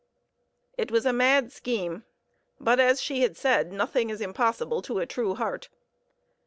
It was a mad scheme; but, as she had said, nothing is impossible to a true heart.